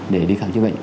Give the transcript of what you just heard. để đi khám chữa bệnh